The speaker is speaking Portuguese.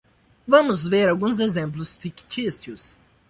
Vamos ver alguns exemplos fictícios.